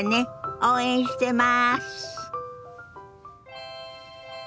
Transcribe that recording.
応援してます。